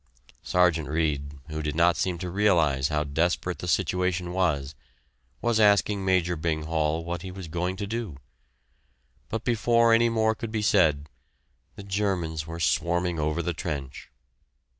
Sergeant Reid, who did not seem to realize how desperate the situation was, was asking Major Bing Hall what he was going to do. But before any more could be said, the Germans were swarming over the trench.